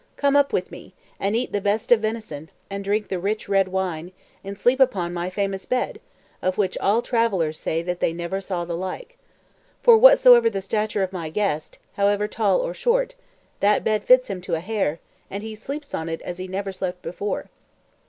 Come up with me, and eat the best of venison, and drink the rich red wine, and sleep upon my famous bed, of which all travellers say that they never saw the like. For whatsoever the stature of my guest, however tall or short, that bed fits him to a hair, and he sleeps on it as he never slept before."